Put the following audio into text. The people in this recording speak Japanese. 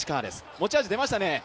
持ち味出ましたね。